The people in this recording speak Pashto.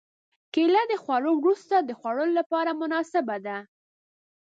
کېله د خوړو وروسته د خوړلو لپاره مناسبه ده.